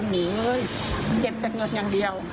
หนีเก็บแต่เงินอย่างเดียว